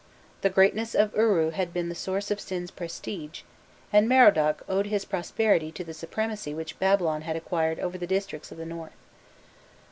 The greatness of Uru had been the source of Sin's prestige, and Merodach owed his prosperity to the supremacy which Babylon had acquired over the districts of the north.